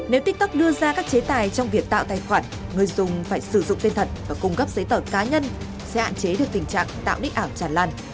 nếu tiktok đưa ra các chế tài trong việc tạo tài khoản người dùng phải sử dụng tên thật và cung cấp giấy tờ cá nhân sẽ hạn chế được tình trạng tạo đích ảo tràn lan